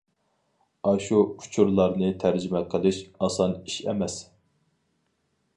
ئاشۇ ئۇچۇرلارنى تەرجىمە قىلىش ئاسان ئىش ئەمەس.